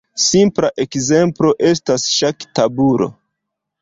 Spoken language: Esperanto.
Simpla ekzemplo estas ŝaktabulo.